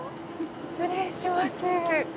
失礼します。